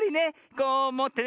こうもってね